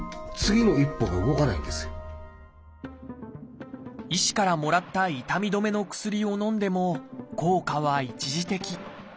その医師からもらった痛み止めの薬をのんでも効果は一時的。